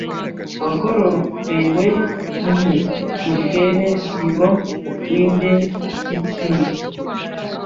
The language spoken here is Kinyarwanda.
wegororewe nke mutweresibo w’Indeshyikirwe